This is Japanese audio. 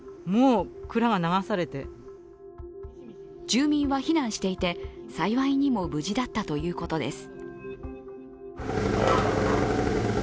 住民は避難していて幸いにも無事だったということです。